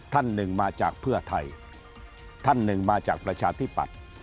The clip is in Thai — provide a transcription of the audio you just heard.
ท่านหนึ่งมาจากเพื่อไทยท่านหนึ่งมาจากประชาธิปัตย์